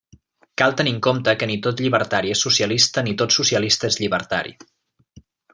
Cal tenir en compte que ni tot llibertari és socialista ni tot socialista és llibertari.